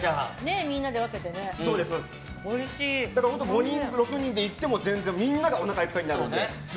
５人、６人で行ってもみんながおなかいっぱいになるので。